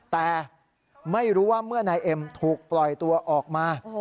แต่ไม่รู้ว่าเมื่อนายเอ็มถูกปล่อยตัวออกมา